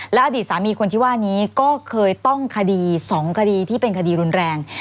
และอดีตสามีคนที่ว่านี้ก็เคยต้องคดี๒คดีที่เป็นคดีรุนแรง